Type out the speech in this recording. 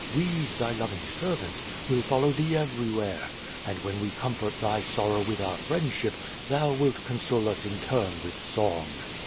We, thy loving ser vants, will follow thee everywhere, and when we comfort thy sorrow with our friendship, thou wilt console lus in turn with song."